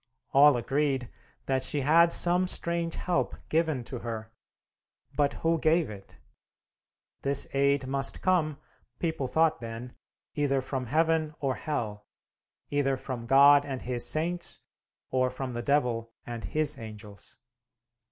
All agreed that she had some strange help given to her; but who gave it? This aid must come, people thought then, either from heaven or hell either from God and his saints, or from the devil and his angels.